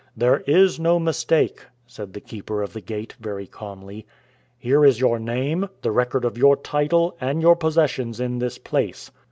"There is no mistake," said the Keeper of the Gate, very calmly; "here is your name, the record of your title and your possessions in this place."